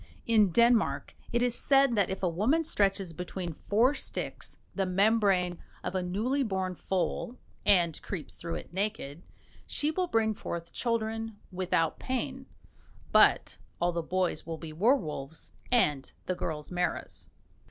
In Denmark it is said that if a woman stretches between four sticks the membrane of a newly born foal, and creeps through it naked, she will bring forth children without pain, but all the boys will be werwolves and the girls maras.